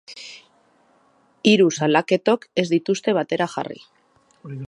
Hiru salaketok ez dituzte batera jarri.